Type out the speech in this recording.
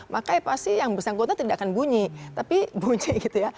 maka pasti yang bersangkutan tidak akan bunyi tapi bunyi gitu ya